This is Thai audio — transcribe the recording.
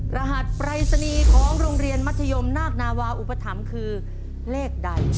รหัสปรายศนีย์ของโรงเรียนมัธยมนาคนาวาอุปถัมภ์คือเลขใด